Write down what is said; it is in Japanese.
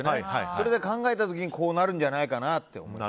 それで考えた時にこうなるんじゃないかなって。